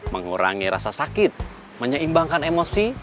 mengurangi rasa sakit menyeimbangkan emosi